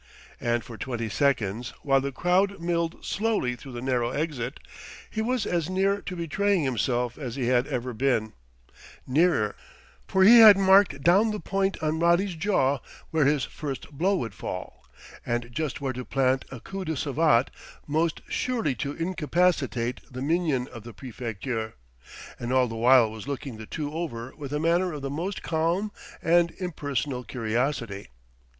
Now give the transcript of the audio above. And for twenty seconds, while the crowd milled slowly through the narrow exit, he was as near to betraying himself as he had ever been nearer, for he had marked down the point on Roddy's jaw where his first blow would fall, and just where to plant a coup de savate most surely to incapacitate the minion of the Préfecture; and all the while was looking the two over with a manner of the most calm and impersonal curiosity.